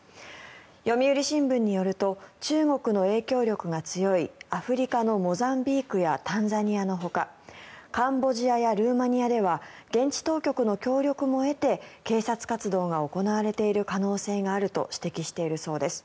読売新聞によると中国の影響力が強いアフリカのモザンビークやタンザニアのほかカンボジアやルーマニアでは現地当局の協力も得て警察活動が行われている可能性があると指摘しているそうです。